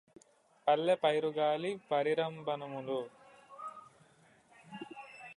పల్లె పైరుగాలి పరిరంభణమ్ములు